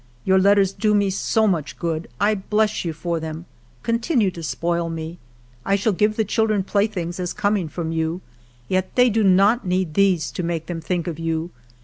Your letters do me so much good. I bless you for them. Continue to spoil me. I shall give the children playthings as coming from you, yet they do not need these to make them think of you.